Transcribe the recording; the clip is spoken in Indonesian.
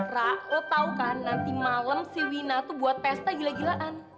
prak lo tau kan nanti malam si wina tuh buat pesta gila gilaan